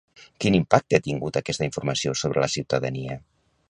Quin impacte ha tingut aquesta informació sobre la ciutadania?